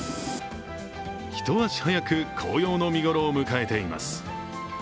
一足早く紅葉の見頃を迎えています。